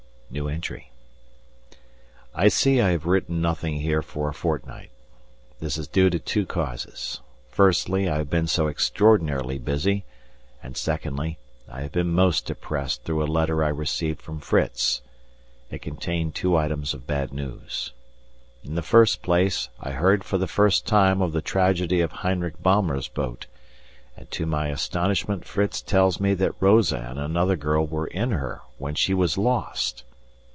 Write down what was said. I see I have written nothing here for a fortnight; this is due to two causes: Firstly, I have been so extraordinarily busy, and, secondly, I have been most depressed through a letter I received from Fritz. It contained two items of bad news. In the first place, I heard for the first time of the tragedy of Heinrich Baumer's boat, and to my astonishment Fritz tells me that Rosa and another girl were in her when she was lost!